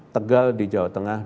tegal di jawa tengah